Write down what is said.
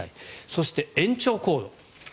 そして、延長コード。